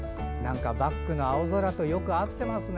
バックの青空とよく合っていますね。